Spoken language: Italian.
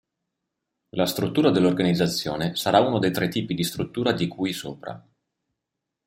La struttura dell'organizzazione sarà uno dei tre tipi di struttura di cui sopra.